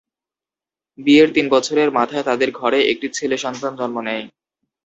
বিয়ের তিন বছরের মাথায় তাঁদের ঘরে একটি ছেলে সন্তান জন্ম নেয়।